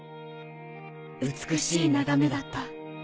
美しい眺めだった。